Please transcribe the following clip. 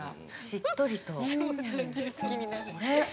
◆しっとりと。